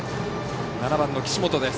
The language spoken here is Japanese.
７番の岸本です。